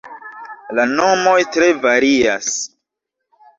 La nomoj tre varias.